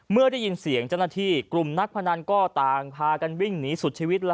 เมื่อได้ยินเสียงเจ้าหน้าที่กลุ่มนักพนันก็ต่างพากันวิ่งหนีสุดชีวิต